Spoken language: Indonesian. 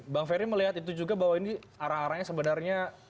bang ferry melihat itu juga bahwa ini arah arahnya sebenarnya